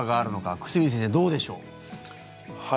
久住先生、どうでしょう。